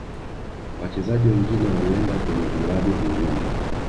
wachezaji wengine walienda kwenye vilabu vingine